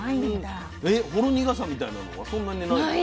ほろ苦さみたいなのはそんなにない？